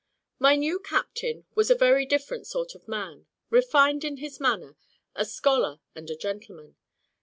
My new captain was a very different sort of man, refined in his manner, a scholar and a gentleman.